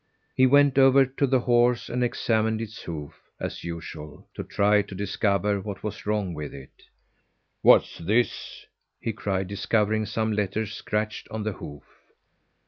He went over to the horse and examined its hoof, as usual, to try to discover what was wrong with it. "What's this!" he cried, discovering some letters scratched on the hoof.